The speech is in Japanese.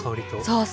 そう。